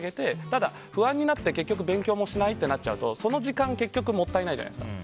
ただ、不安になって結局、勉強もしないってなっちゃうとその時間、結局もったいないじゃないですか。